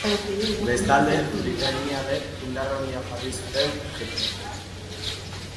Bestalde, britainiarrek indar handiak jarri zuten Egipton.